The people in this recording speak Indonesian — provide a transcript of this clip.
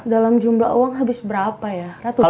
dalam jumlah uang habis berapa ya